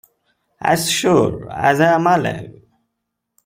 As sure as I am alive.